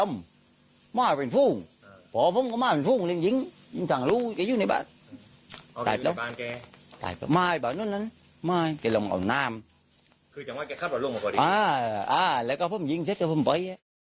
อ่าแล้วก็พวกมันยิงเสร็จกับผมไป